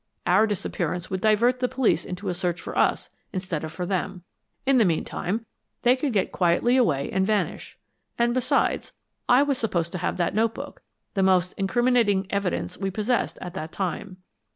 Our disappearance would divert the police into a search for us instead of for them. In the meantime, they could get quietly away and vanish. And besides, I was supposed to have that notebook the most incriminating evidence we possessed at that time."